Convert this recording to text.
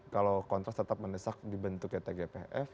kalau kontras tetap mendesak di bentuknya tgpf